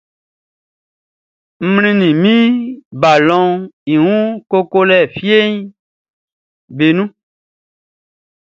N mlinnin min balɔnʼn i wun koko lɛ fieʼn nun lɔ.